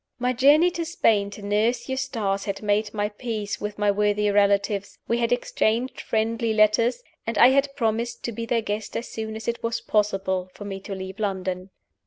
My journey to Spain to nurse Eustace had made my peace with my worthy relatives; we had exchanged friendly letters; and I had promised to be their guest as soon as it was possible for me to leave London.